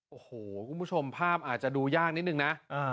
โอ้โหคุณผู้ชมภาพอาจจะดูยากนิดนึงนะ